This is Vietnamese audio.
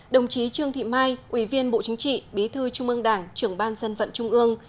đồng chí trương thị mai ủy viên bộ chính trị bí thư trung ương đảng trưởng ban dân vận trung ương